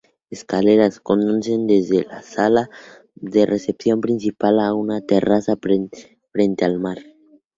Escaleras conducen desde la sala de recepción principal a una terraza frente al mar.